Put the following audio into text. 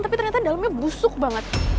tapi ternyata dalamnya busuk banget